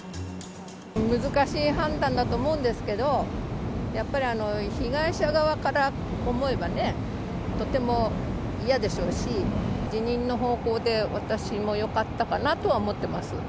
難しい判断だと思うんですけど、やっぱり被害者側から思えばね、とても嫌でしょうし、辞任の方向で私もよかったかなとは思ってます。